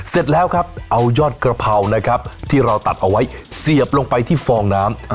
เสร็จแล้วครับเอายอดกระเพรานะครับที่เราตัดเอาไว้เสียบลงไปที่ฟองน้ำ